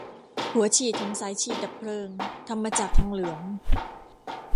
หัวฉีดของสายฉีดดับเพลิงทำมาจากทองเหลือง